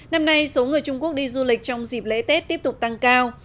năm nay số người trung quốc đi du lịch trong dịp lễ tết tiếp tục tăng cao